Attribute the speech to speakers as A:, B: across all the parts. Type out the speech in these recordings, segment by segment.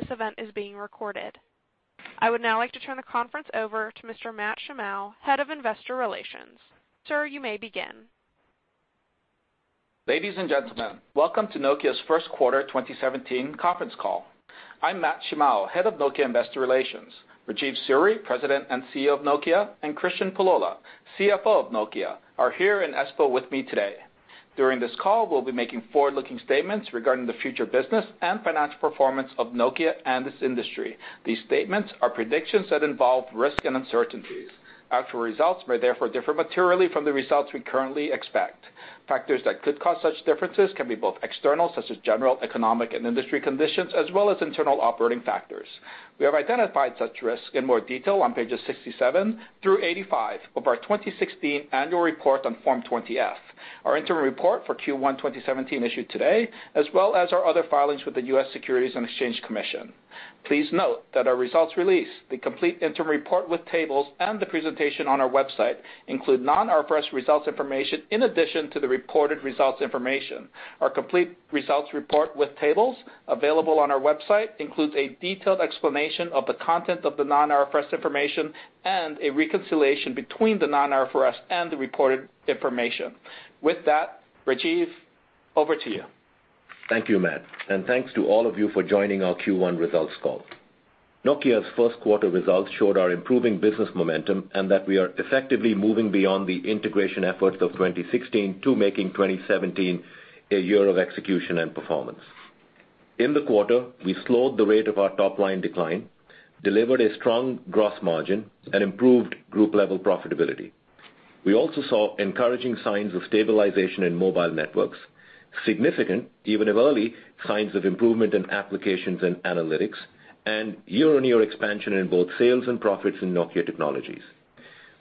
A: That this event is being recorded. I would now like to turn the conference over to Mr. Matt Shimao, Head of Investor Relations. Sir, you may begin.
B: Ladies and gentlemen, welcome to Nokia's first quarter 2017 conference call. I'm Matt Shimao, Head of Nokia Investor Relations. Rajeev Suri, President and CEO of Nokia, and Kristian Pullola, CFO of Nokia, are here in Espoo with me today. During this call, we'll be making forward-looking statements regarding the future business and financial performance of Nokia and this industry. These statements are predictions that involve risk and uncertainties. Actual results may therefore differ materially from the results we currently expect. Factors that could cause such differences can be both external, such as general economic and industry conditions, as well as internal operating factors. We have identified such risks in more detail on pages 67 through 85 of our 2016 annual report on Form 20-F, our interim report for Q1 2017 issued today, as well as our other filings with the U.S. Securities and Exchange Commission. Please note that our results release, the complete interim report with tables, and the presentation on our website include non-IFRS results information in addition to the reported results information. Our complete results report with tables available on our website includes a detailed explanation of the content of the non-IFRS information and a reconciliation between the non-IFRS and the reported information. With that, Rajeev, over to you.
C: Thank you, Matt. Thanks to all of you for joining our Q1 results call. Nokia's first quarter results showed our improving business momentum and that we are effectively moving beyond the integration efforts of 2016 to making 2017 a year of execution and performance. In the quarter, we slowed the rate of our top-line decline, delivered a strong gross margin, and improved group-level profitability. We also saw encouraging signs of stabilization in Mobile Networks, significant, even if early, signs of improvement in Applications & Analytics, and year-on-year expansion in both sales and profits in Nokia Technologies.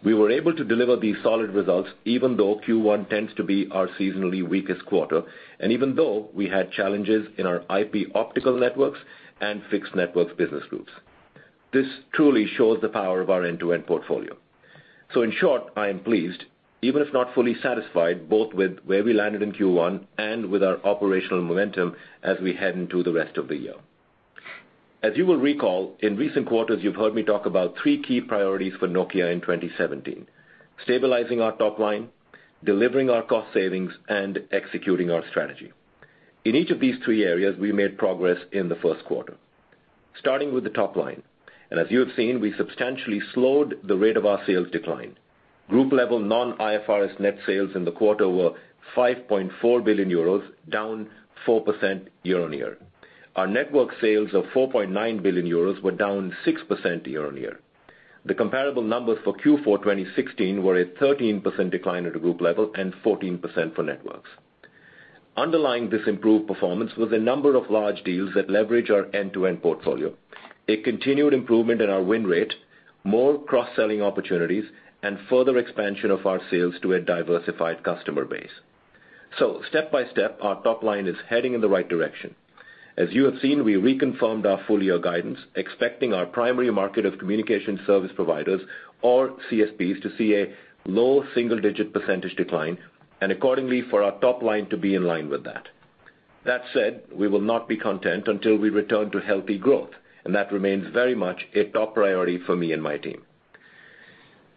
C: We were able to deliver these solid results even though Q1 tends to be our seasonally weakest quarter and even though we had challenges in our IP/Optical Networks and Fixed Networks business groups. This truly shows the power of our end-to-end portfolio. In short, I am pleased, even if not fully satisfied, both with where we landed in Q1 and with our operational momentum as we head into the rest of the year. As you will recall, in recent quarters, you've heard me talk about three key priorities for Nokia in 2017: stabilizing our top line, delivering our cost savings, and executing our strategy. In each of these three areas, we made progress in the first quarter. Starting with the top line, as you have seen, we substantially slowed the rate of our sales decline. Group-level non-IFRS net sales in the quarter were 5.4 billion euros, down 4% year-on-year. Our Networks sales of 4.9 billion euros were down 6% year-on-year. The comparable numbers for Q4 2016 were a 13% decline at a group level and 14% for Networks. Underlying this improved performance was a number of large deals that leverage our end-to-end portfolio, a continued improvement in our win rate, more cross-selling opportunities, and further expansion of our sales to a diversified customer base. Step by step, our top line is heading in the right direction. As you have seen, we reconfirmed our full-year guidance, expecting our primary market of Communication Service Providers, or CSPs, to see a low single-digit percentage decline and accordingly for our top line to be in line with that. That said, we will not be content until we return to healthy growth, that remains very much a top priority for me and my team.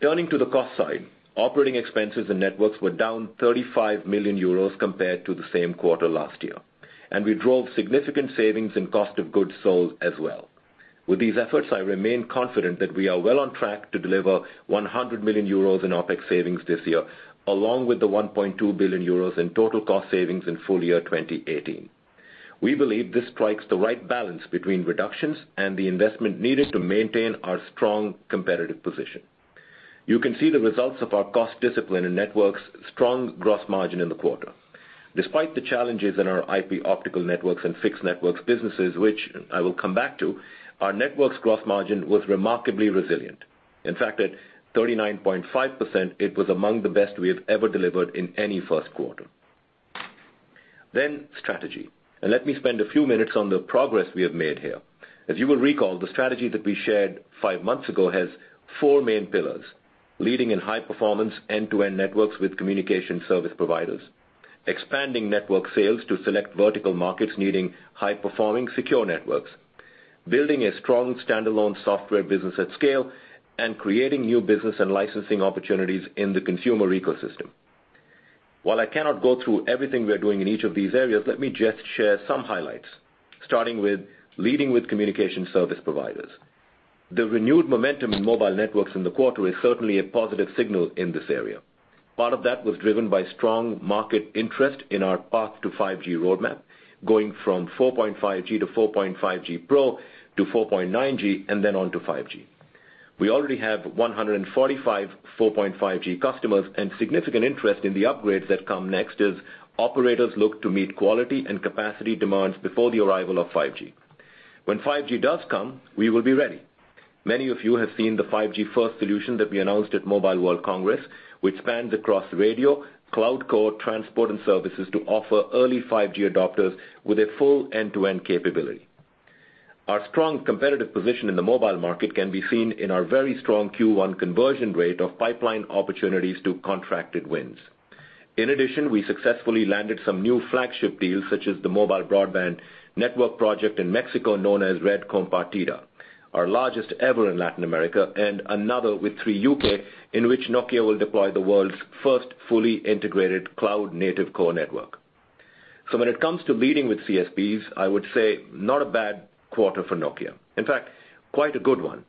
C: Turning to the cost side, operating expenses in Networks were down 35 million euros compared to the same quarter last year, we drove significant savings in cost of goods sold as well. With these efforts, I remain confident that we are well on track to deliver 100 million euros in OpEx savings this year, along with the 1.2 billion euros in total cost savings in full year 2018. We believe this strikes the right balance between reductions and the investment needed to maintain our strong competitive position. You can see the results of our cost discipline in Networks' strong gross margin in the quarter. Despite the challenges in our IP/Optical Networks and Fixed Networks businesses, which I will come back to, our Networks' gross margin was remarkably resilient. In fact, at 39.5%, it was among the best we have ever delivered in any first quarter. Strategy. Let me spend a few minutes on the progress we have made here. As you will recall, the strategy that we shared five months ago has four main pillars: leading in high-performance end-to-end networks with Communication Service Providers, expanding Networks sales to select vertical markets needing high-performing secure networks, building a strong standalone software business at scale, creating new business and licensing opportunities in the consumer ecosystem. While I cannot go through everything we are doing in each of these areas, let me just share some highlights, starting with leading with Communication Service Providers. The renewed momentum in Mobile Networks in the quarter is certainly a positive signal in this area. Part of that was driven by strong market interest in our path to 5G roadmap, going from 4.5G to 4.5G Pro to 4.9G then on to 5G. We already have 145 4.5G customers and significant interest in the upgrades that come next as operators look to meet quality and capacity demands before the arrival of 5G. When 5G does come, we will be ready. Many of you have seen the 5G first solution that we announced at Mobile World Congress, which spans across radio, cloud core, transport, and services to offer early 5G adopters with a full end-to-end capability. Our strong competitive position in the mobile market can be seen in our very strong Q1 conversion rate of pipeline opportunities to contracted wins. In addition, we successfully landed some new flagship deals, such as the mobile broadband network project in Mexico known as Red Compartida, our largest ever in Latin America, and another with Three UK, in which Nokia will deploy the world's first fully integrated cloud-native core network. When it comes to leading with CSPs, I would say not a bad quarter for Nokia. In fact, quite a good one.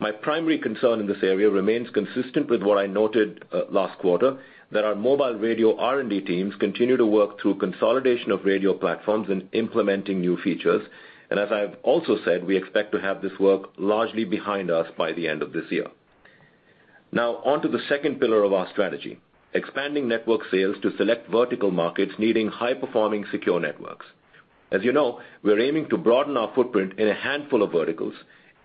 C: My primary concern in this area remains consistent with what I noted last quarter, that our mobile radio R&D teams continue to work through consolidation of radio platforms and implementing new features. As I've also said, we expect to have this work largely behind us by the end of this year. Now, on to the second pillar of our strategy, expanding network sales to select vertical markets needing high-performing secure networks. As you know, we're aiming to broaden our footprint in a handful of verticals: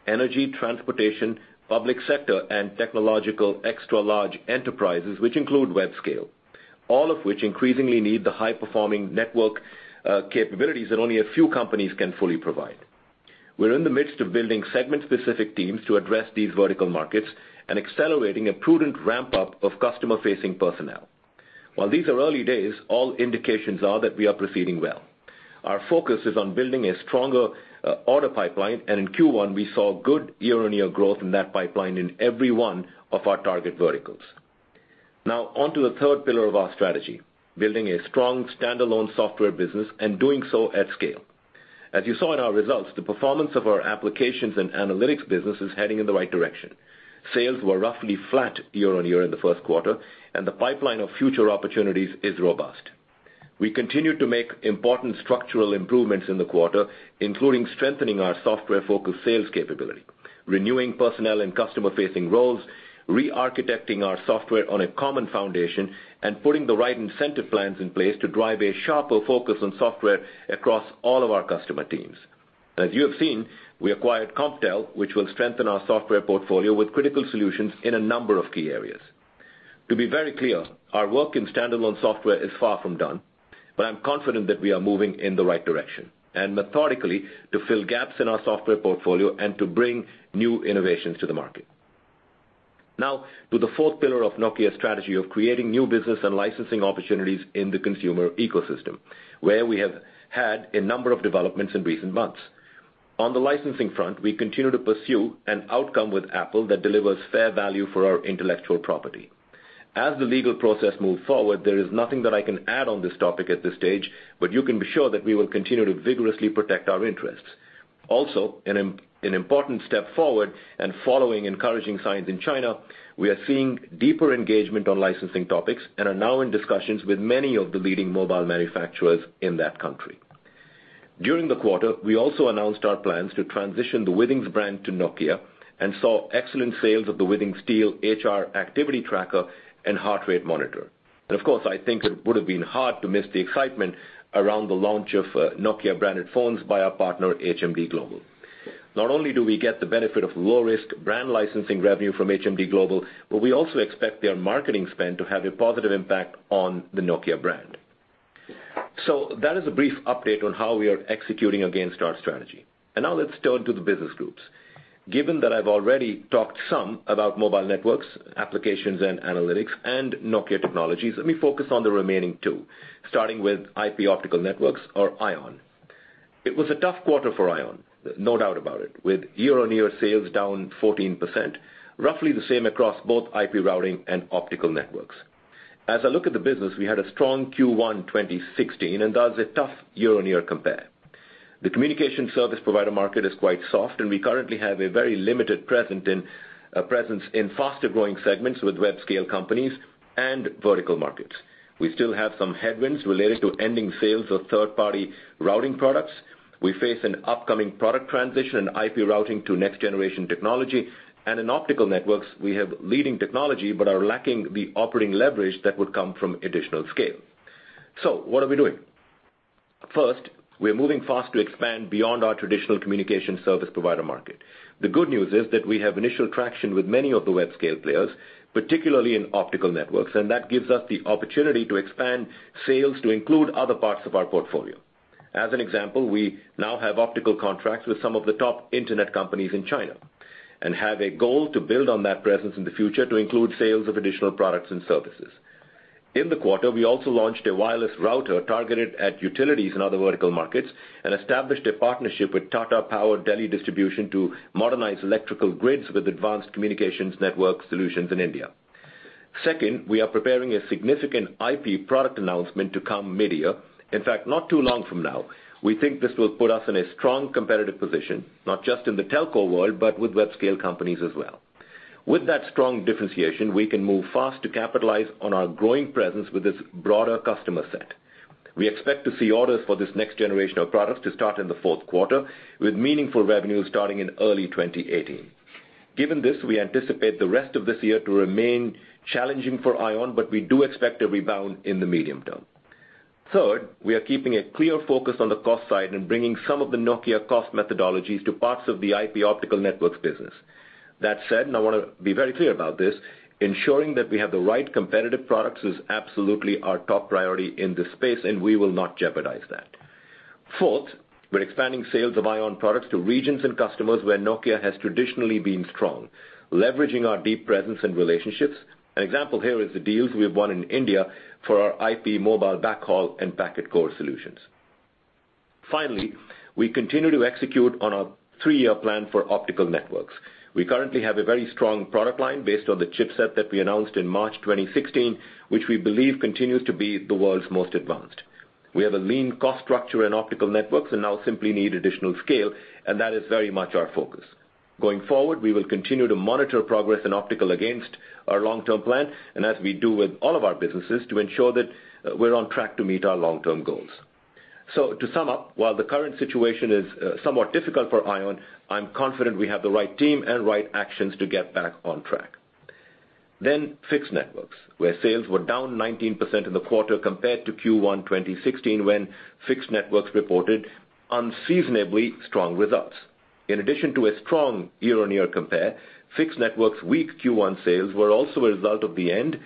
C: energy, transportation, public sector, and technological extra-large enterprises, which include web scale, all of which increasingly need the high-performing network capabilities that only a few companies can fully provide. We're in the midst of building segment-specific teams to address these vertical markets and accelerating a prudent ramp-up of customer-facing personnel. While these are early days, all indications are that we are proceeding well. Our focus is on building a stronger order pipeline, and in Q1, we saw good year-on-year growth in that pipeline in every one of our target verticals. Now on to the third pillar of our strategy, building a strong standalone software business and doing so at scale. As you saw in our results, the performance of our Applications & Analytics business is heading in the right direction. Sales were roughly flat year-on-year in the first quarter, and the pipeline of future opportunities is robust. We continue to make important structural improvements in the quarter, including strengthening our software-focused sales capability, renewing personnel in customer-facing roles, re-architecting our software on a common foundation, and putting the right incentive plans in place to drive a sharper focus on software across all of our customer teams. As you have seen, we acquired Comptel, which will strengthen our software portfolio with critical solutions in a number of key areas. To be very clear, our work in standalone software is far from done, but I'm confident that we are moving in the right direction, and methodically to fill gaps in our software portfolio and to bring new innovations to the market. Now to the fourth pillar of Nokia's strategy of creating new business and licensing opportunities in the consumer ecosystem, where we have had a number of developments in recent months. We continue to pursue an outcome with Apple that delivers fair value for our intellectual property. As the legal process moves forward, there is nothing that I can add on this topic at this stage, but you can be sure that we will continue to vigorously protect our interests. An important step forward, and following encouraging signs in China, we are seeing deeper engagement on licensing topics and are now in discussions with many of the leading mobile manufacturers in that country. During the quarter, we also announced our plans to transition the Withings brand to Nokia and saw excellent sales of the Withings Steel HR activity tracker and heart rate monitor. Of course, I think it would have been hard to miss the excitement around the launch of Nokia branded phones by our partner, HMD Global. Not only do we get the benefit of low-risk brand licensing revenue from HMD Global, but we also expect their marketing spend to have a positive impact on the Nokia brand. That is a brief update on how we are executing against our strategy. Now let's turn to the business groups. Given that I've already talked some about Mobile Networks, Applications & Analytics, and Nokia Technologies, let me focus on the remaining two, starting with IP/Optical Networks or ION. It was a tough quarter for ION, no doubt about it, with year-on-year sales down 14%, roughly the same across both IP routing and optical networks. As I look at the business, we had a strong Q1 2016, and that is a tough year-on-year compare. The communication service provider market is quite soft, we currently have a very limited presence in faster-growing segments with web scale companies and vertical markets. We still have some headwinds relating to ending sales of third-party routing products. We face an upcoming product transition in IP routing to next-generation technology. In optical networks, we have leading technology but are lacking the operating leverage that would come from additional scale. What are we doing? First, we are moving fast to expand beyond our traditional communication service provider market. The good news is that we have initial traction with many of the web scale players, particularly in optical networks, and that gives us the opportunity to expand sales to include other parts of our portfolio. As an example, we now have optical contracts with some of the top internet companies in China and have a goal to build on that presence in the future to include sales of additional products and services. In the quarter, we also launched a wireless router targeted at utilities and other vertical markets and established a partnership with Tata Power Delhi Distribution to modernize electrical grids with advanced communications network solutions in India. Second, we are preparing a significant IP product announcement to come mid-year. In fact, not too long from now. We think this will put us in a strong competitive position, not just in the telco world, but with web scale companies as well. With that strong differentiation, we can move fast to capitalize on our growing presence with this broader customer set. We expect to see orders for this next generation of products to start in the fourth quarter, with meaningful revenue starting in early 2018. Given this, we anticipate the rest of this year to remain challenging for ION, but we do expect a rebound in the medium term. Third, we are keeping a clear focus on the cost side and bringing some of the Nokia cost methodologies to parts of the IP/Optical Networks business. That said, and I want to be very clear about this, ensuring that we have the right competitive products is absolutely our top priority in this space, and we will not jeopardize that. Fourth, we're expanding sales of ION products to regions and customers where Nokia has traditionally been strong, leveraging our deep presence and relationships. An example here is the deals we have won in India for our IP mobile backhaul and packet core solutions. We continue to execute on our three-year plan for optical networks. We currently have a very strong product line based on the chipset that we announced in March 2016, which we believe continues to be the world's most advanced. We have a lean cost structure in optical networks and now simply need additional scale, and that is very much our focus. Going forward, we will continue to monitor progress in optical against our long-term plan, and as we do with all of our businesses, to ensure that we're on track to meet our long-term goals. To sum up, while the current situation is somewhat difficult for ION, I'm confident we have the right team and right actions to get back on track. Fixed Networks, where sales were down 19% in the quarter compared to Q1 2016, when Fixed Networks reported unseasonably strong results. In addition to a strong year-on-year compare, Fixed Networks' weak Q1 sales were also a result of the end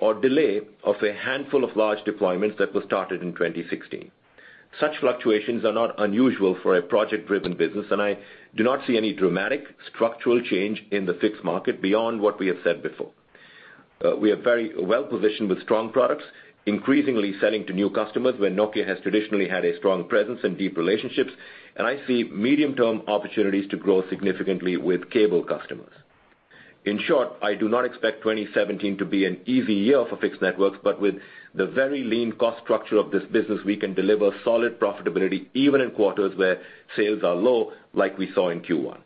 C: or delay of a handful of large deployments that were started in 2016. Such fluctuations are not unusual for a project-driven business, and I do not see any dramatic structural change in the fixed market beyond what we have said before. We are very well-positioned with strong products, increasingly selling to new customers where Nokia has traditionally had a strong presence and deep relationships, and I see medium-term opportunities to grow significantly with cable customers. In short, I do not expect 2017 to be an easy year for Fixed Networks, but with the very lean cost structure of this business, we can deliver solid profitability even in quarters where sales are low, like we saw in Q1.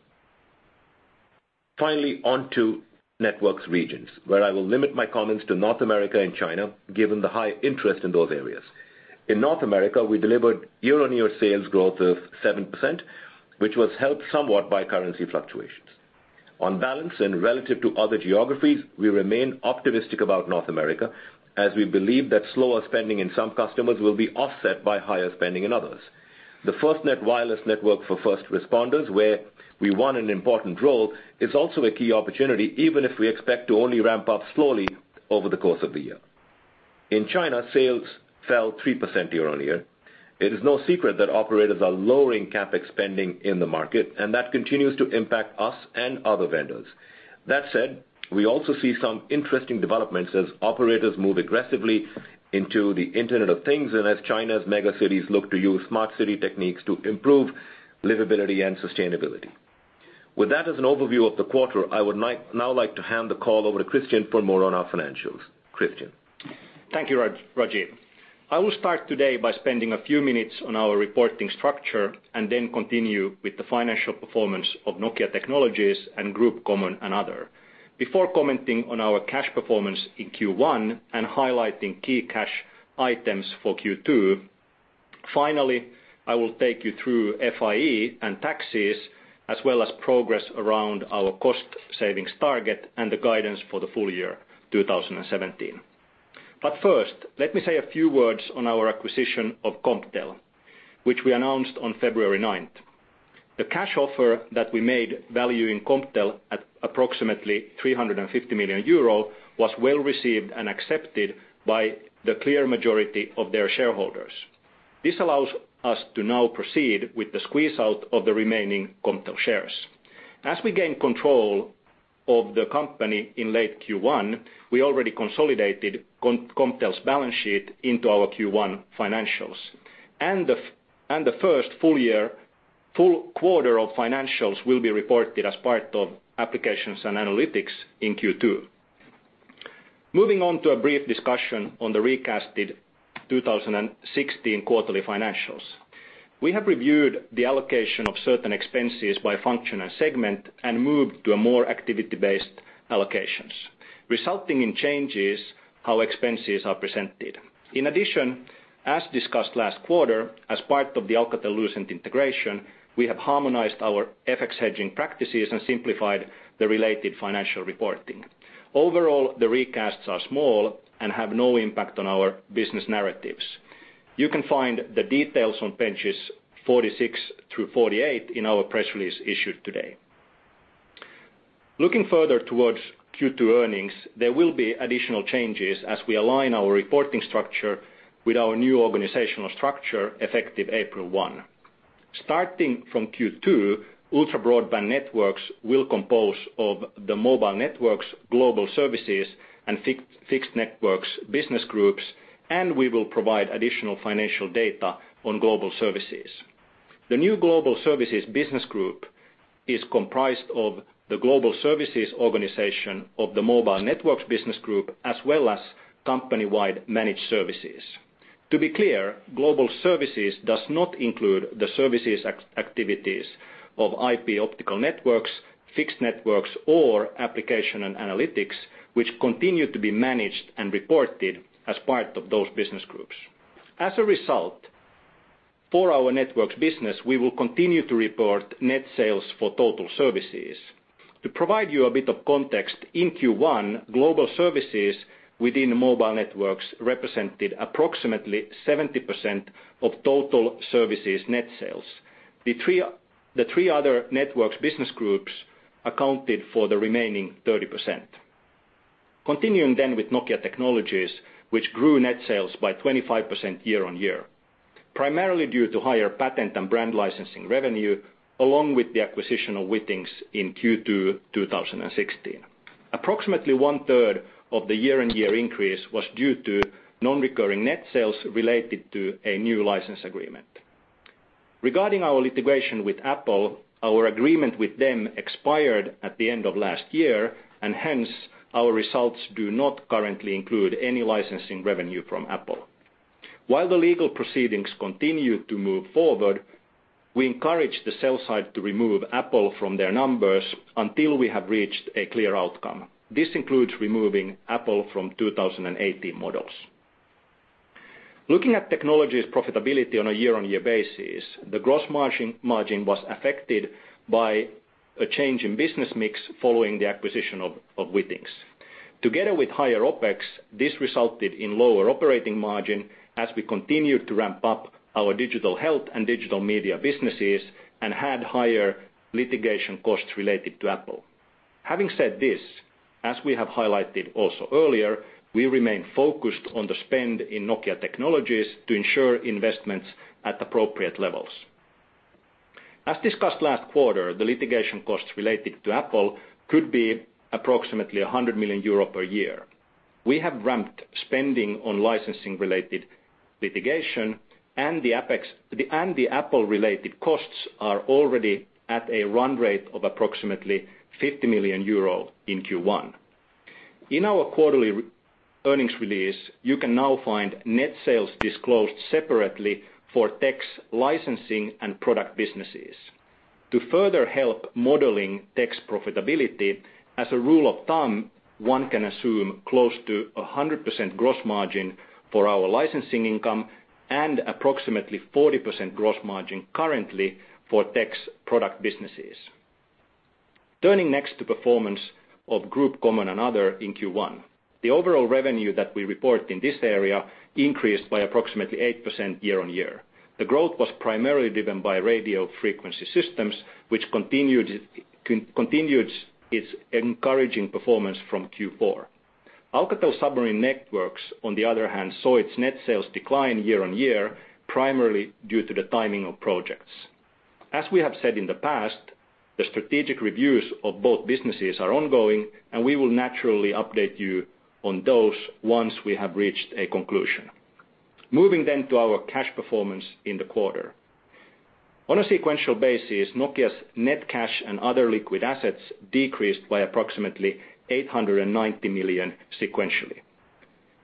C: On to networks regions, where I will limit my comments to North America and China, given the high interest in those areas. In North America, we delivered year-on-year sales growth of 7%, which was helped somewhat by currency fluctuations. On balance and relative to other geographies, we remain optimistic about North America as we believe that slower spending in some customers will be offset by higher spending in others. The FirstNet wireless network for first responders, where we won an important role, is also a key opportunity, even if we expect to only ramp up slowly over the course of the year. In China, sales fell 3% year-on-year. It is no secret that operators are lowering CapEx spending in the market, and that continues to impact us and other vendors. That said, we also see some interesting developments as operators move aggressively into the Internet of Things and as China's mega cities look to use smart city techniques to improve livability and sustainability. With that as an overview of the quarter, I would now like to hand the call over to Kristian for more on our financials. Kristian?
D: Thank you, Rajeev. I will start today by spending a few minutes on our reporting structure and continue with the financial performance of Nokia Technologies and Group Common and Other. Before commenting on our cash performance in Q1 and highlighting key cash items for Q2, finally, I will take you through F&I and taxes, as well as progress around our cost savings target and the guidance for the full year 2017. First, let me say a few words on our acquisition of Comptel, which we announced on February 9th. The cash offer that we made valuing Comptel at approximately 350 million euro was well-received and accepted by the clear majority of their shareholders. This allows us to now proceed with the squeeze-out of the remaining Comptel shares. As we gain control of the company in late Q1, we already consolidated Comptel's balance sheet into our Q1 financials. The first full quarter of financials will be reported as part of Applications & Analytics in Q2. Moving on to a brief discussion on the recasted 2016 quarterly financials. We have reviewed the allocation of certain expenses by function and segment and moved to a more activity-based allocations, resulting in changes how expenses are presented. In addition, as discussed last quarter, as part of the Alcatel-Lucent integration, we have harmonized our FX hedging practices and simplified the related financial reporting. Overall, the recasts are small and have no impact on our business narratives. You can find the details on pages 46 through 48 in our press release issued today. Looking further towards Q2 earnings, there will be additional changes as we align our reporting structure with our new organizational structure effective April 1. Starting from Q2, Ultra Broadband Networks will compose of the Mobile Networks, Global Services, and Fixed Networks business groups, and we will provide additional financial data on Global Services. The new Global Services business group is comprised of the Global Services organization of the Mobile Networks business group, as well as company-wide managed services. To be clear, Global Services does not include the services activities of IP/Optical Networks, Fixed Networks, or Applications & Analytics, which continue to be managed and reported as part of those business groups. As a result, for our networks business, we will continue to report net sales for total services. To provide you a bit of context, in Q1, Global Services within Mobile Networks represented approximately 70% of total services net sales. The three other networks business groups accounted for the remaining 30%. Continuing with Nokia Technologies, which grew net sales by 25% year-on-year, primarily due to higher patent and brand licensing revenue, along with the acquisition of Withings in Q2 2016. Approximately one-third of the year-on-year increase was due to non-recurring net sales related to a new license agreement. Regarding our litigation with Apple, our agreement with them expired at the end of last year. Hence, our results do not currently include any licensing revenue from Apple. While the legal proceedings continue to move forward, we encourage the sell side to remove Apple from their numbers until we have reached a clear outcome. This includes removing Apple from 2018 models. Looking at technology's profitability on a year-on-year basis, the gross margin was affected by a change in business mix following the acquisition of Withings. Together with higher OpEx, this resulted in lower operating margin as we continued to ramp up our digital health and digital media businesses and had higher litigation costs related to Apple. Having said this, as we have highlighted also earlier, we remain focused on the spend in Nokia Technologies to ensure investments at appropriate levels. As discussed last quarter, the litigation costs related to Apple could be approximately 100 million euro per year. We have ramped spending on licensing-related litigation, and the Apple-related costs are already at a run rate of approximately 15 million euro in Q1. In our quarterly earnings release, you can now find net sales disclosed separately for tech's licensing and product businesses. To further help modeling tech's profitability, as a rule of thumb, one can assume close to 100% gross margin for our licensing income and approximately 40% gross margin currently for tech's product businesses. Turning next to performance of Group Common and Other in Q1. The overall revenue that we report in this area increased by approximately 8% year-on-year. The growth was primarily driven by Radio Frequency Systems, which continued its encouraging performance from Q4. Alcatel Submarine Networks, on the other hand, saw its net sales decline year-on-year, primarily due to the timing of projects. As we have said in the past, the strategic reviews of both businesses are ongoing. We will naturally update you on those once we have reached a conclusion. Moving to our cash performance in the quarter. On a sequential basis, Nokia's net cash and other liquid assets decreased by approximately 890 million sequentially,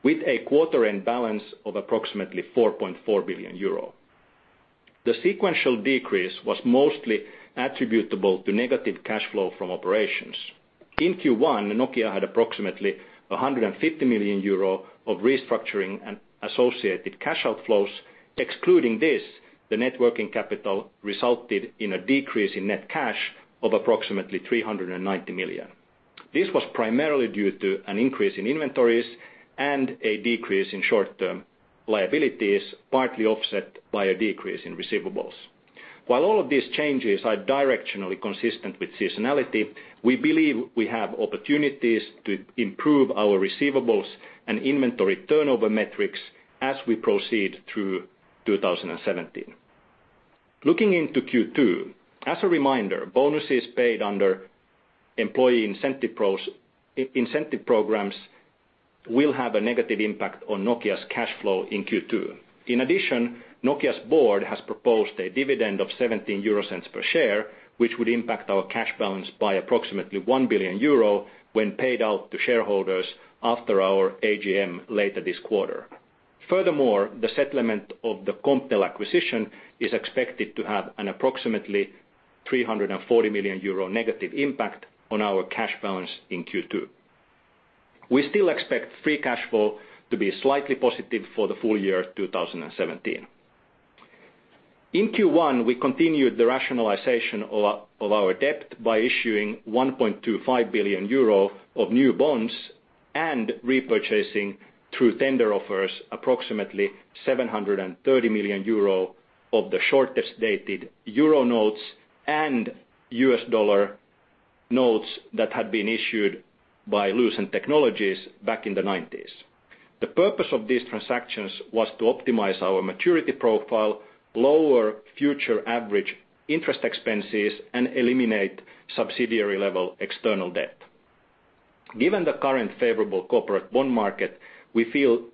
D: with a quarter-end balance of approximately 4.4 billion euro. The sequential decrease was mostly attributable to negative cash flow from operations. In Q1, Nokia had approximately 150 million euro of restructuring and associated cash outflows. Excluding this, the net working capital resulted in a decrease in net cash of approximately 390 million. This was primarily due to an increase in inventories and a decrease in short-term liabilities, partly offset by a decrease in receivables. While all of these changes are directionally consistent with seasonality, we believe we have opportunities to improve our receivables and inventory turnover metrics as we proceed through 2017. Looking into Q2, as a reminder, bonuses paid under employee incentive programs will have a negative impact on Nokia's cash flow in Q2. In addition, Nokia's board has proposed a dividend of 0.17 per share, which would impact our cash balance by approximately 1 billion euro when paid out to shareholders after our AGM later this quarter. Furthermore, the settlement of the Comptel acquisition is expected to have an approximately 340 million euro negative impact on our cash balance in Q2. We still expect free cash flow to be slightly positive for the full year 2017. In Q1, we continued the rationalization of our debt by issuing 1.25 billion euro of new bonds and repurchasing through tender offers approximately 730 million euro of the shortest dated euro notes and US dollar notes that had been issued by Lucent Technologies back in the '90s. The purpose of these transactions was to optimize our maturity profile, lower future average interest expenses, and eliminate subsidiary-level external debt. Given the current favorable corporate bond market, we feel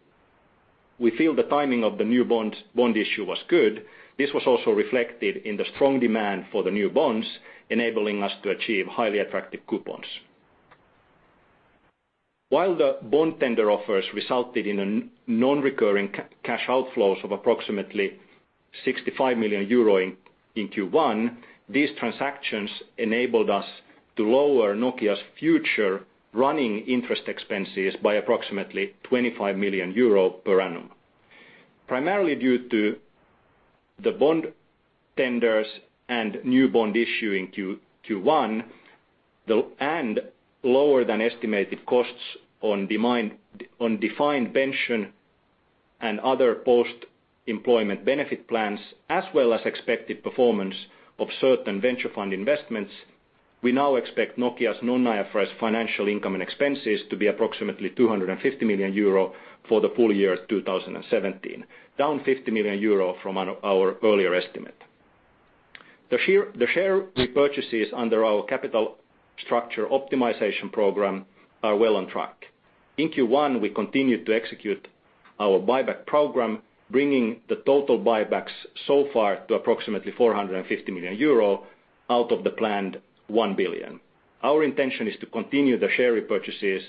D: the timing of the new bond issue was good. This was also reflected in the strong demand for the new bonds, enabling us to achieve highly attractive coupons. While the bond tender offers resulted in non-recurring cash outflows of approximately 65 million euro in Q1, these transactions enabled us to lower Nokia's future running interest expenses by approximately 25 million euro per annum. Primarily due to the bond tenders and new bond issue in Q1, and lower than estimated costs on defined pension and other post-employment benefit plans, as well as expected performance of certain venture fund investments, we now expect Nokia's non-IFRS financial income and expenses to be approximately 250 million euro for the full year 2017, down 50 million euro from our earlier estimate. The share repurchases under our capital structure optimization program are well on track. In Q1, we continued to execute our buyback program, bringing the total buybacks so far to approximately 450 million euro out of the planned 1 billion. Our intention is to continue the share repurchases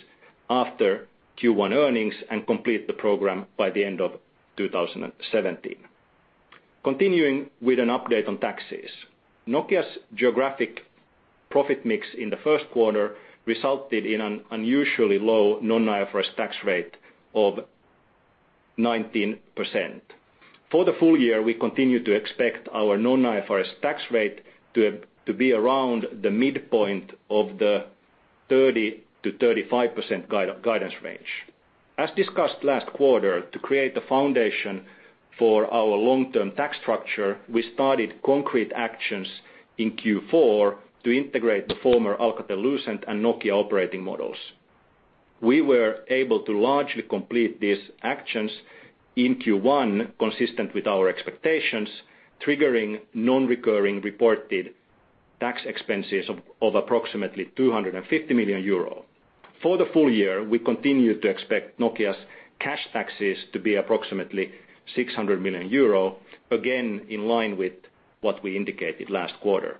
D: after Q1 earnings and complete the program by the end of 2017. Continuing with an update on taxes. Nokia's geographic profit mix in the first quarter resulted in an unusually low non-IFRS tax rate of 19%. For the full year, we continue to expect our non-IFRS tax rate to be around the midpoint of the 30%-35% guidance range. As discussed last quarter, to create the foundation for our long-term tax structure, we started concrete actions in Q4 to integrate the former Alcatel-Lucent and Nokia operating models. We were able to largely complete these actions in Q1, consistent with our expectations, triggering non-recurring reported tax expenses of approximately 250 million euro. For the full year, we continue to expect Nokia's cash taxes to be approximately 600 million euro, again in line with what we indicated last quarter.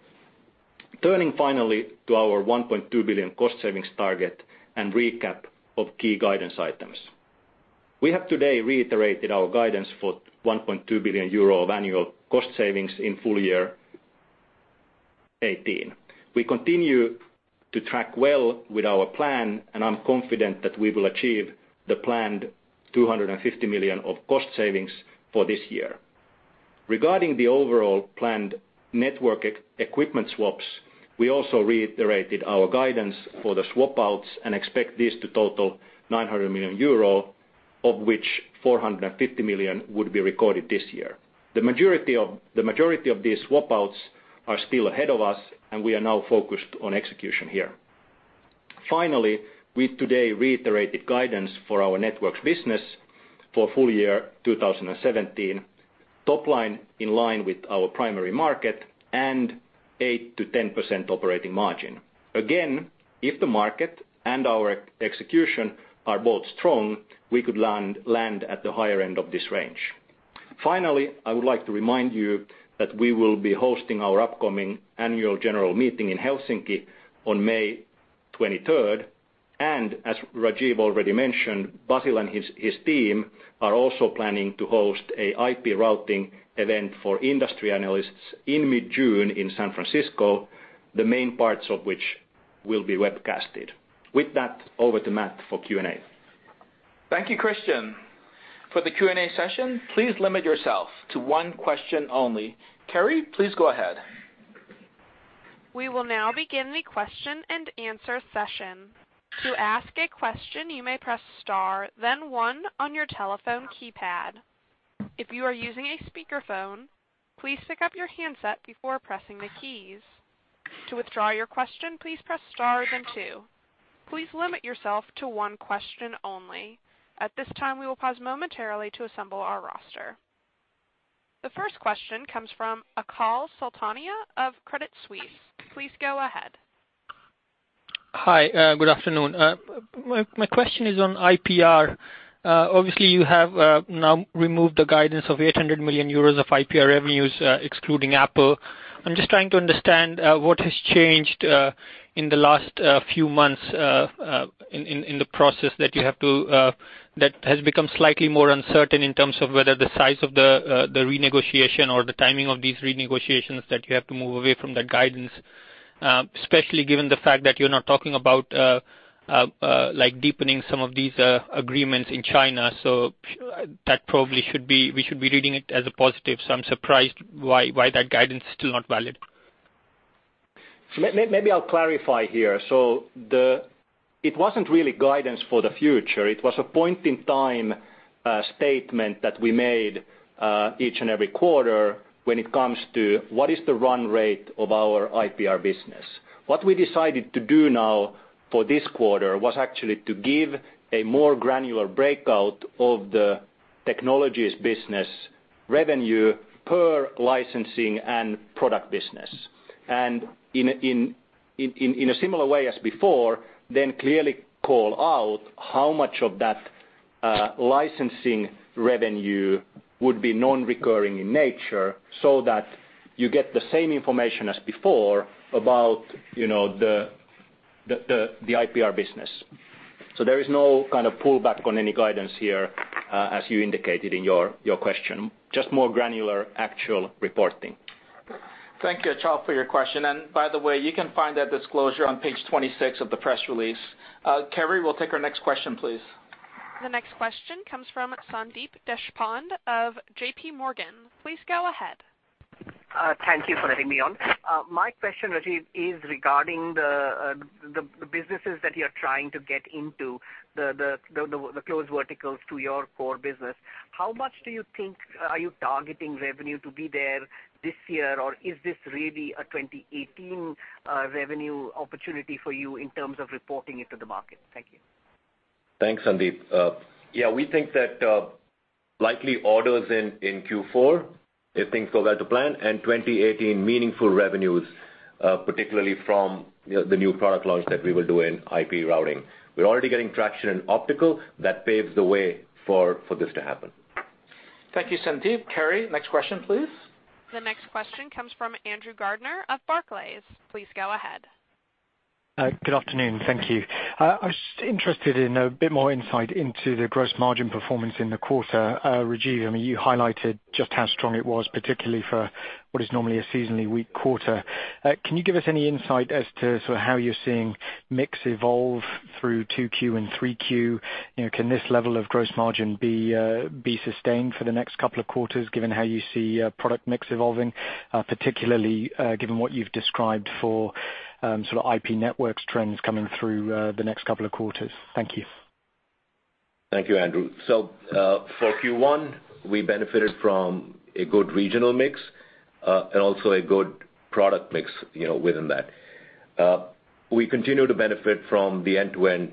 D: Turning finally to our 1.2 billion cost savings target and recap of key guidance items. We have today reiterated our guidance for 1.2 billion euro of annual cost savings in full year 2018. We continue to track well with our plan, and I'm confident that we will achieve the planned 250 million of cost savings for this year. Regarding the overall planned network equipment swaps, we also reiterated our guidance for the swap outs and expect this to total 900 million euro, of which 450 million would be recorded this year. The majority of these swap outs are still ahead of us, and we are now focused on execution here. Finally, we today reiterated guidance for our networks business for full year 2017, top line in line with our primary market and 8%-10% operating margin. Again, if the market and our execution are both strong, we could land at the higher end of this range. Finally, I would like to remind you that we will be hosting our upcoming annual general meeting in Helsinki on May 23rd. As Rajeev already mentioned, Basil and his team are also planning to host an IP routing event for industry analysts in mid-June in San Francisco, the main parts of which will be webcasted. Over to Matt for Q&A.
B: Thank you, Kristian. For the Q&A session, please limit yourself to one question only. Kerry, please go ahead.
A: We will now begin the question-and-answer session. To ask a question, you may press star then one on your telephone keypad. If you are using a speakerphone, please pick up your handset before pressing the keys. To withdraw your question, please press star then two. Please limit yourself to one question only. At this time, we will pause momentarily to assemble our roster. The first question comes from Achal Sultania of Credit Suisse. Please go ahead.
E: Hi. Good afternoon. My question is on IPR. Obviously, you have now removed the guidance of 800 million euros of IPR revenues, excluding Apple. I'm just trying to understand what has changed in the last few months in the process that has become slightly more uncertain in terms of whether the size of the renegotiation or the timing of these renegotiations that you have to move away from that guidance, especially given the fact that you're now talking about deepening some of these agreements in China. That probably we should be reading it as a positive, I'm surprised why that guidance is still not valid.
D: It wasn't really guidance for the future. It was a point-in-time statement that we made each and every quarter when it comes to what is the run rate of our IPR business. What we decided to do now for this quarter was actually to give a more granular breakout of the Nokia Technologies business revenue per licensing and product business. In a similar way as before, clearly call out how much of that licensing revenue would be non-recurring in nature so that you get the same information as before about the IPR business. There is no kind of pullback on any guidance here, as you indicated in your question. Just more granular actual reporting.
B: Thank you, Achal, for your question. By the way, you can find that disclosure on page 26 of the press release. Kerry, we'll take our next question, please.
A: The next question comes from Sandeep Deshpande of J.P. Morgan. Please go ahead.
F: Thank you for letting me on. My question, Rajeev, is regarding the businesses that you're trying to get into, the close verticals to your core business. How much do you think are you targeting revenue to be there this year, or is this really a 2018 revenue opportunity for you in terms of reporting it to the market? Thank you.
C: Thanks, Sandeep. We think that likely orders in Q4, if things go well to plan, and 2018 meaningful revenues, particularly from the new product launch that we will do in IP routing. We are already getting traction in optical. That paves the way for this to happen.
D: Thank you, Sandeep. Kerry, next question, please.
A: The next question comes from Andrew Gardiner of Barclays. Please go ahead.
G: Good afternoon. Thank you. I was interested in a bit more insight into the gross margin performance in the quarter, Rajeev. You highlighted just how strong it was, particularly for what is normally a seasonally weak quarter. Can you give us any insight as to how you are seeing mix evolve through 2Q and 3Q? Can this level of gross margin be sustained for the next couple of quarters, given how you see product mix evolving, particularly given what you have described for IP networks trends coming through the next couple of quarters? Thank you.
C: Thank you, Andrew. For Q1, we benefited from a good regional mix, also a good product mix within that. We continue to benefit from the end-to-end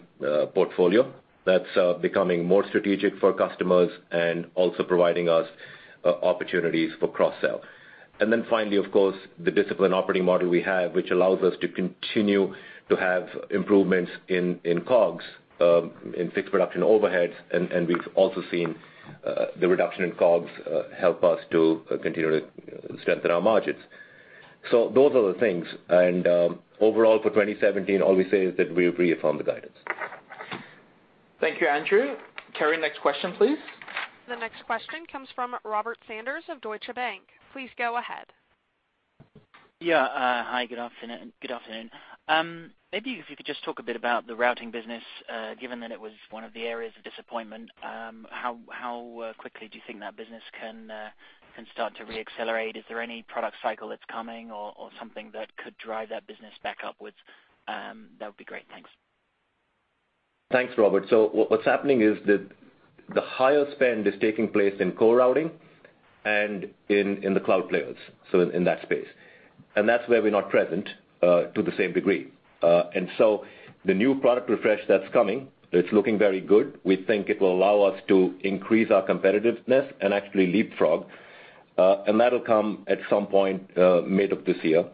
C: portfolio that's becoming more strategic for customers, also providing us opportunities for cross-sell. Finally, of course, the disciplined operating model we have, which allows us to continue to have improvements in COGS, in fixed production overheads, and we've also seen the reduction in COGS help us to continue to strengthen our margins. Those are the things. Overall for 2017, all we say is that we reaffirm the guidance.
D: Thank you, Andrew. Carrie, next question, please.
A: The next question comes from Robert Sanders of Deutsche Bank. Please go ahead.
H: Yeah. Hi, good afternoon. Maybe if you could just talk a bit about the routing business, given that it was one of the areas of disappointment. How quickly do you think that business can start to re-accelerate? Is there any product cycle that's coming or something that could drive that business back upwards? That would be great. Thanks.
C: Thanks, Robert. What's happening is that the higher spend is taking place in core routing and in the cloud players, so in that space. That's where we're not present to the same degree. The new product refresh that's coming, it's looking very good. We think it will allow us to increase our competitiveness and actually leapfrog, and that'll come at some point mid of this year.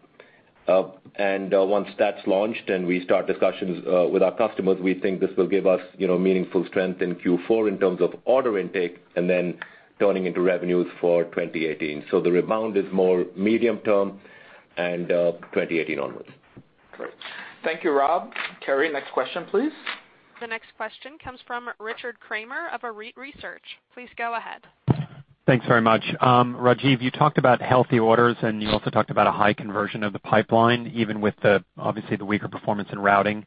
C: Once that's launched and we start discussions with our customers, we think this will give us meaningful strength in Q4 in terms of order intake and then turning into revenues for 2018. The rebound is more medium-term and 2018 onwards.
B: Great. Thank you, Rob. Carrie, next question, please.
A: The next question comes from Richard Kramer of Arete Research. Please go ahead.
I: Thanks very much. Rajeev, you talked about healthy orders, and you also talked about a high conversion of the pipeline, even with the, obviously, the weaker performance in routing.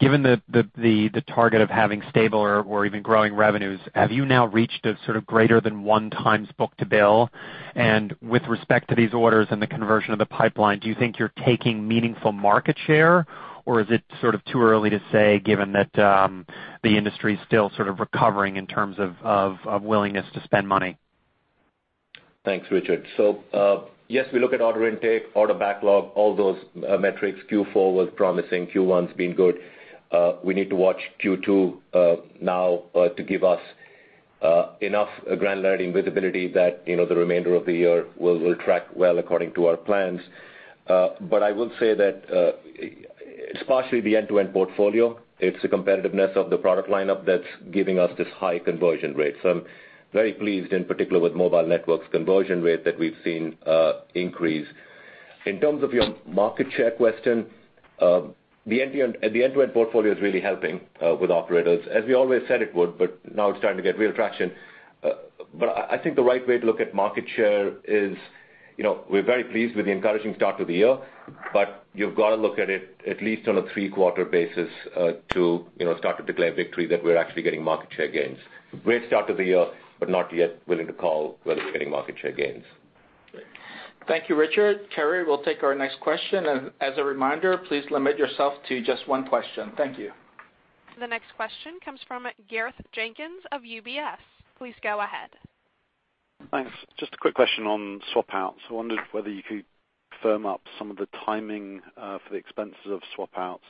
I: Given the target of having stable or even growing revenues, have you now reached a sort of greater than one times book-to-bill? With respect to these orders and the conversion of the pipeline, do you think you're taking meaningful market share, or is it sort of too early to say, given that the industry is still sort of recovering in terms of willingness to spend money?
C: Thanks, Richard. Yes, we look at order intake, order backlog, all those metrics. Q4 was promising. Q1's been good. We need to watch Q2 now to give us enough ground learning visibility that the remainder of the year will track well according to our plans. I will say that it's partially the end-to-end portfolio. It's the competitiveness of the product lineup that's giving us this high conversion rate. I'm very pleased, in particular with Mobile Networks conversion rate that we've seen increase. In terms of your market share question, the end-to-end portfolio is really helping with operators, as we always said it would, but now it's starting to get real traction. I think the right way to look at market share is we're very pleased with the encouraging start to the year, you've got to look at it at least on a three-quarter basis to start to declare victory that we're actually getting market share gains. Great start to the year, not yet willing to call whether we're getting market share gains.
D: Great. Thank you, Richard. Carrie, we'll take our next question. As a reminder, please limit yourself to just one question. Thank you.
A: The next question comes from Gareth Jenkins of UBS. Please go ahead.
J: Thanks. Just a quick question on swap outs. I wondered whether you could firm up some of the timing for the expenses of swap outs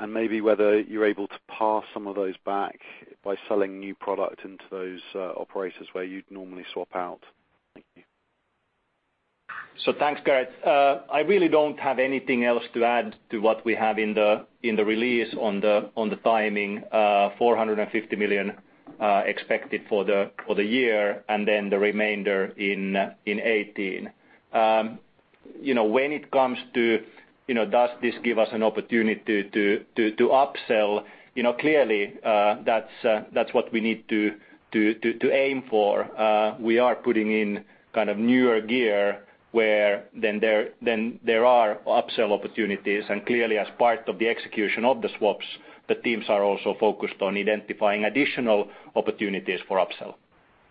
J: and maybe whether you're able to pass some of those back by selling new product into those operators where you'd normally swap out. Thank you.
D: Thanks, Gareth. I really don't have anything else to add to what we have in the release on the timing, 450 million expected for the year and then the remainder in 2018. When it comes to does this give us an opportunity to upsell, clearly, that's what we need to aim for. We are putting in kind of newer gear where then there are upsell opportunities, and clearly as part of the execution of the swaps, the teams are also focused on identifying additional opportunities for upsell.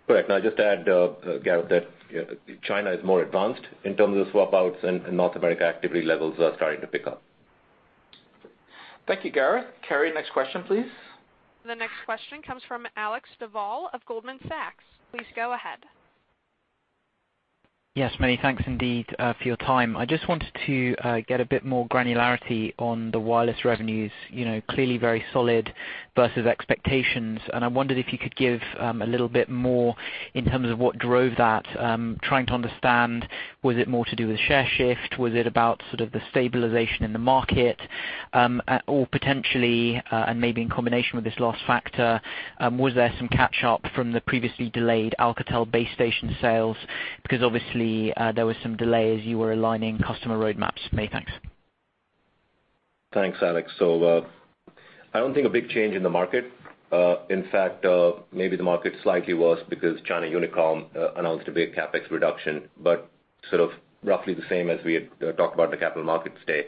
C: Correct. I'll just add, Gareth, that China is more advanced in terms of swap outs, and North America activity levels are starting to pick up.
B: Thank you, Gareth. Carrie, next question, please.
A: The next question comes from Alexander Duval of Goldman Sachs. Please go ahead.
K: Yes, many thanks indeed for your time. I just wanted to get a bit more granularity on the wireless revenues. Clearly very solid versus expectations, and I wondered if you could give a little bit more in terms of what drove that. Trying to understand, was it more to do with share shift? Was it about sort of the stabilization in the market? Or potentially, and maybe in combination with this last factor, was there some catch-up from the previously delayed Alcatel base station sales? Because obviously, there was some delay as you were aligning customer roadmaps. Many thanks.
C: Thanks, Alex. I don't think a big change in the market. In fact, maybe the market slightly was because China Unicom announced a big CapEx reduction, but sort of roughly the same as we had talked about the Capital Markets Day.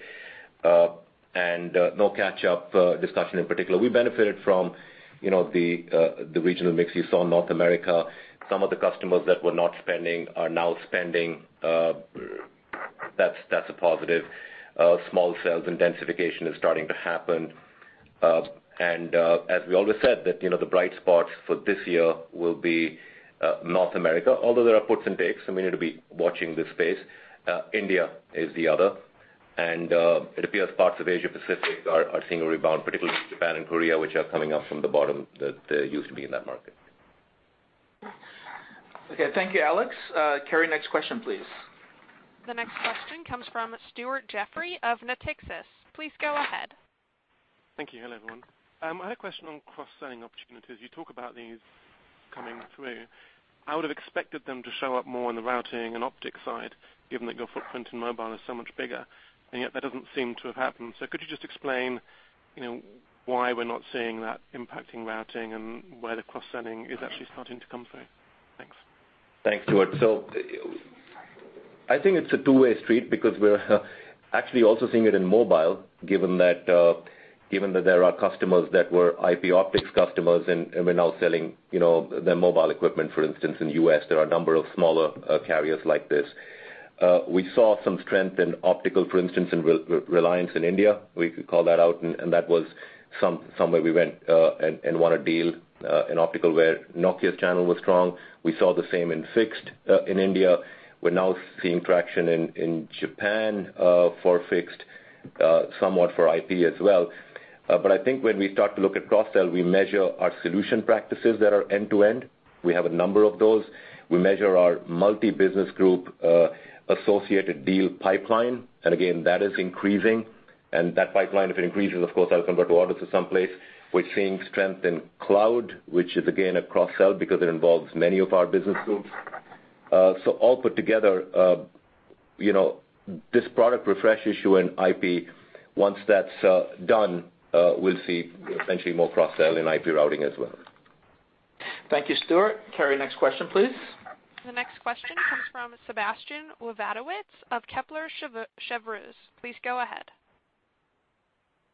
C: No catch-up discussion in particular. We benefited from the regional mix you saw in North America. Some of the customers that were not spending are now spending. That's a positive. Small cells intensification is starting to happen. As we always said, the bright spots for this year will be North America, although there are puts and takes, and we need to be watching this space. India is the other, and it appears parts of Asia Pacific are seeing a rebound, particularly Japan and Korea, which are coming up from the bottom, that used to be in that market.
B: Okay. Thank you, Alex. Carrie, next question, please.
A: The next question comes from Stuart Jeffrey of Natixis. Please go ahead.
L: Thank you. Hello, everyone. I had a question on cross-selling opportunities. You talk about these coming through. I would have expected them to show up more on the routing and optics side, given that your footprint in mobile is so much bigger, yet that doesn't seem to have happened. Could you just explain why we're not seeing that impacting routing and where the cross-selling is actually starting to come through? Thanks.
C: Thanks, Stuart. I think it's a two-way street because we're actually also seeing it in mobile, given that there are customers that were IP optics customers and we're now selling their mobile equipment, for instance, in the U.S., there are a number of smaller carriers like this. We saw some strength in optical, for instance, in Reliance in India. We could call that out, and that was somewhere we went and won a deal in optical where Nokia's channel was strong. We saw the same in fixed in India. We're now seeing traction in Japan for fixed, somewhat for IP as well. I think when we start to look at cross-sell, we measure our solution practices that are end-to-end. We have a number of those. We measure our multi-business group associated deal pipeline. Again, that is increasing. That pipeline, if it increases, of course that'll convert to orders at some place. We're seeing strength in cloud, which is again, a cross-sell because it involves many of our business groups. All put together, this product refresh issue in IP, once that's done, we'll see essentially more cross-sell in IP routing as well.
B: Thank you, Stuart. Carrie, next question, please.
A: The next question comes from Sebastien Louwers of Kepler Cheuvreux. Please go ahead.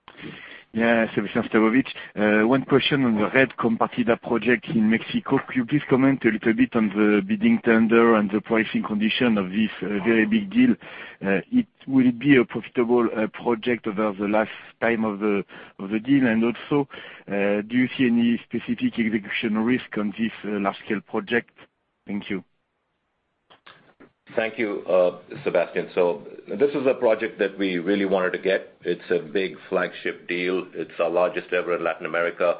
M: Yeah. Sebastien Louwers. One question on the Red Compartida project in Mexico. Could you please comment a little bit on the bidding tender and the pricing condition of this very big deal? It will be a profitable project over the last time of the deal. Also, do you see any specific execution risk on this large-scale project? Thank you.
C: Thank you, Sebastien. This is a project that we really wanted to get. It's a big flagship deal. It's our largest ever in Latin America,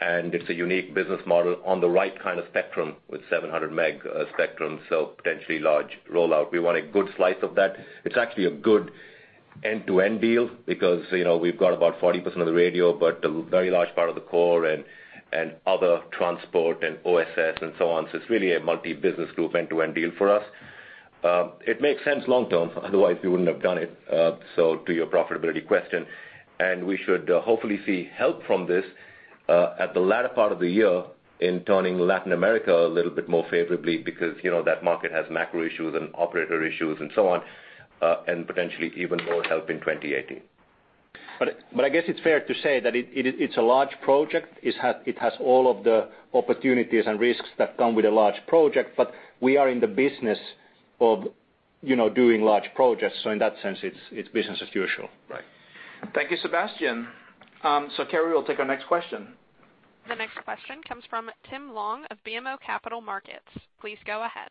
C: and it's a unique business model on the right kind of spectrum with 700 MHz spectrum, so potentially large rollout. We want a good slice of that. It's actually a good end-to-end deal because we've got about 40% of the radio, but a very large part of the core and other transport and OSS and so on. It's really a multi-business group end-to-end deal for us. It makes sense long-term, otherwise we wouldn't have done it, so to your profitability question. We should hopefully see help from this, at the latter part of the year in turning Latin America a little bit more favorably because that market has macro issues and operator issues and so on, and potentially even more help in 2018.
D: I guess it's fair to say that it's a large project. It has all of the opportunities and risks that come with a large project. We are in the business of doing large projects. In that sense it's business as usual.
C: Right.
B: Thank you, Sebastien. Carrie, we'll take our next question.
A: The next question comes from Tim Long of BMO Capital Markets. Please go ahead.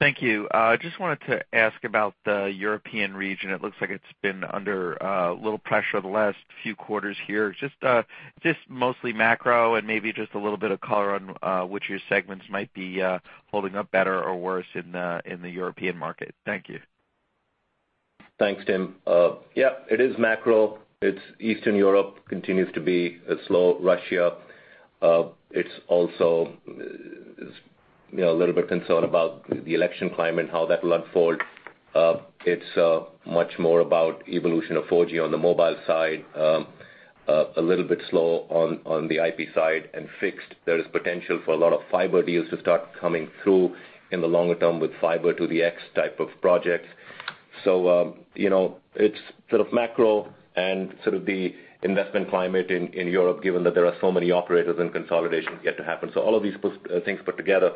N: Thank you. Just wanted to ask about the European region. It looks like it's been under a little pressure the last few quarters here. Mostly macro and maybe just a little bit of color on which your segments might be holding up better or worse in the European market. Thank you.
C: Thanks, Tim. Yeah, it is macro. Eastern Europe continues to be slow, Russia. It's also a little bit concerned about the election climate and how that will unfold. It's much more about evolution of 4G on the mobile side. A little bit slow on the IP side and fixed. There is potential for a lot of fiber deals to start coming through in the longer term with fiber to the X type of projects. It's sort of macro and sort of the investment climate in Europe, given that there are so many operators and consolidations yet to happen. All of these things put together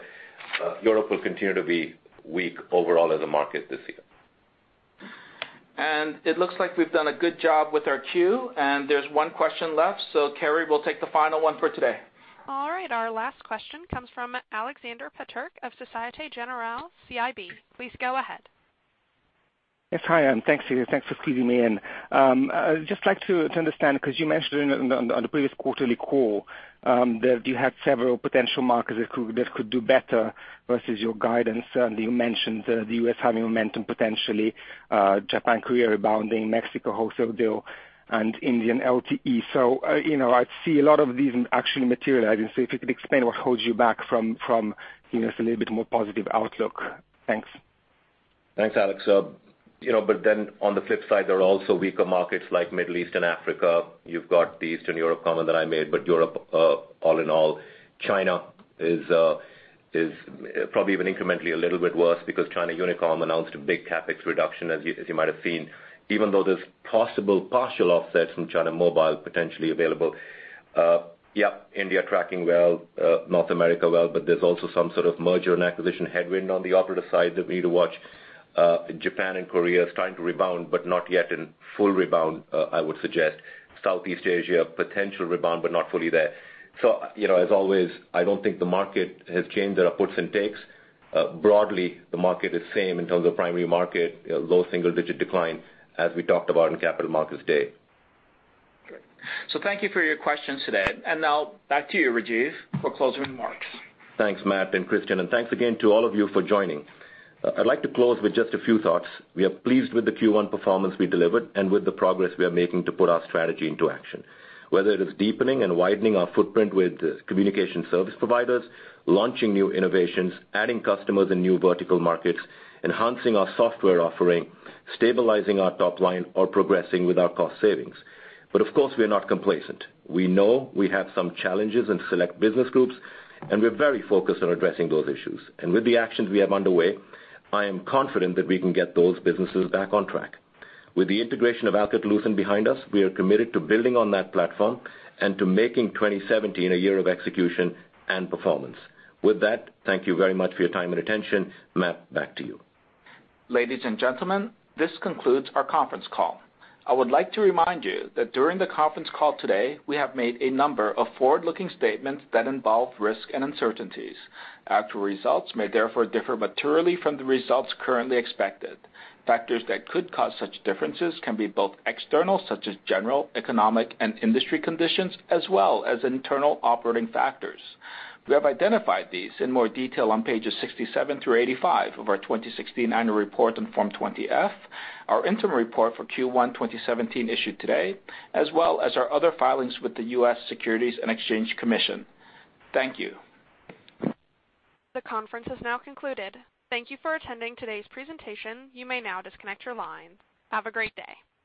C: Europe will continue to be weak overall as a market this year.
B: It looks like we've done a good job with our queue, and there's one question left. Carrie, we'll take the final one for today.
A: All right, our last question comes from Aleksander Peterc of Societe Generale CIB. Please go ahead.
O: Yes. Hi, and thanks for squeezing me in. I'd just like to understand, because you mentioned on the previous quarterly call, that you had several potential markets that could do better versus your guidance. You mentioned the U.S. having momentum potentially, Japan, Korea rebounding, Mexico wholesale deal, and Indian LTE. I see a lot of these actually materializing. If you could explain what holds you back from a little bit more positive outlook. Thanks.
C: Thanks, Alex. On the flip side, there are also weaker markets like Middle East and Africa. You've got the Eastern Europe comment that I made, Europe, all in all. China is probably even incrementally a little bit worse because China Unicom announced a big CapEx reduction, as you might have seen, even though there's possible partial offsets from China Mobile potentially available. Yeah, India tracking well, North America well, there's also some sort of merger and acquisition headwind on the operative side that we need to watch. Japan and Korea is trying to rebound, not yet in full rebound, I would suggest. Southeast Asia, potential rebound, not fully there. As always, I don't think the market has changed their puts and takes. Broadly, the market is same in terms of primary market, low single-digit decline, as we talked about in Capital Markets Day.
B: Great. Thank you for your questions today. Now back to you, Rajeev, for closing remarks.
C: Thanks, Matt and Kristian, thanks again to all of you for joining. I'd like to close with just a few thoughts. We are pleased with the Q1 performance we delivered and with the progress we are making to put our strategy into action, whether it is deepening and widening our footprint with communication service providers, launching new innovations, adding customers in new vertical markets, enhancing our software offering, stabilizing our top line or progressing with our cost savings. Of course, we are not complacent. We know we have some challenges in select business groups, we're very focused on addressing those issues. With the actions we have underway, I am confident that we can get those businesses back on track. With the integration of Alcatel-Lucent behind us, we are committed to building on that platform and to making 2017 a year of execution and performance. With that, thank you very much for your time and attention. Matt, back to you.
B: Ladies and gentlemen, this concludes our conference call. I would like to remind you that during the conference call today, we have made a number of forward-looking statements that involve risks and uncertainties. Actual results may therefore differ materially from the results currently expected. Factors that could cause such differences can be both external, such as general, economic, and industry conditions, as well as internal operating factors. We have identified these in more detail on pages 67 through 85 of our 2016 annual report and Form 20-F, our interim report for Q1 2017 issued today, as well as our other filings with the U.S. Securities and Exchange Commission. Thank you.
A: The conference has now concluded. Thank you for attending today's presentation. You may now disconnect your line. Have a great day.